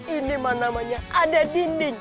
ini mah namanya ada dinding